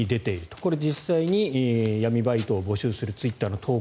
これ、実際に闇バイトを募集するツイッターの投稿。